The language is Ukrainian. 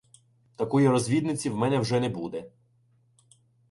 Такої розвідниці у мене вже не буде.